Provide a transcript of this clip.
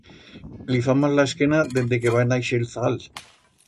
Li fa mal la esquena dende que va naixer el zagal.